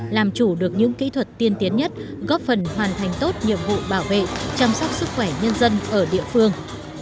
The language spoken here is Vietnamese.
làm chủ được những kỹ thuật tiên tiến nhất góp phần hoàn thành tốt nhiệm vụ bảo vệ chăm sóc sức khỏe nhân dân ở địa phương